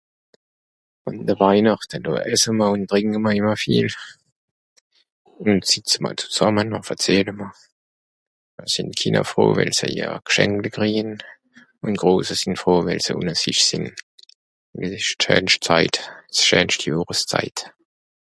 um de Weinacht essem'r o trìnkem'r immer viel un setzem'r z'amme nor verzählem'r o sinn kinne froh wels ejer G'schänk gegreijn o grosse sìnn froh wels si ... d'schänscht zeit s'schänscht Johres Zeit